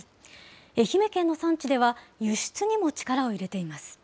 愛媛県の産地では、輸出にも力を入れています。